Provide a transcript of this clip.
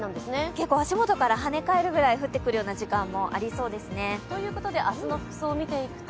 結構足元からはね返るくらい振ってくる時間もありそうですね。ということで明日の服装を見ていくと。